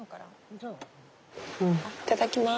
いただきます。